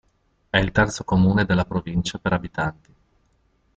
È il terzo comune della provincia per abitanti.